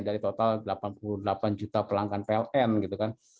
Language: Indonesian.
dari total delapan puluh delapan juta pelanggan pln gitu kan